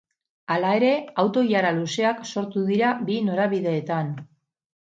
Hala ere, auto-ilara luzeak sortu dira bi norabideetan.